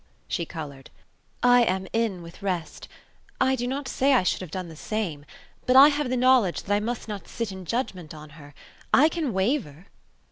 She coloured. "I am 'in with rest'. I do not say I should have done the same. But I have the knowledge that I must not sit in judgement on her. I can waver."